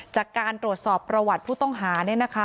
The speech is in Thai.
จากการตรวจสอบประวัติผู้ต้องหาเนี่ยนะคะ